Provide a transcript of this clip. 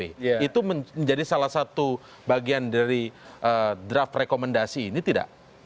itu menjadi salah satu bagian dari draft rekomendasi ini tidak